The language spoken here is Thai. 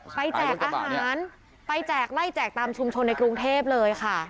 แจกอาหารไปแจกไล่แจกตามชุมชนในกรุงเทพเลยค่ะ